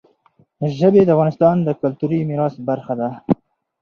ژبې د افغانستان د کلتوري میراث برخه ده.